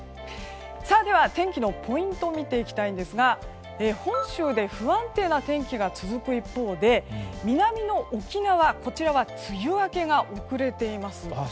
では天気のポイントを見ていきたいんですが本州で不安定な天気が続く一方で南の沖縄は梅雨明けが遅れています。